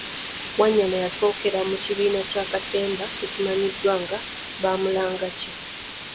Wanyana yasookera mu kibiina kya Katemba ekimanyiddwa nga Bamulangaki.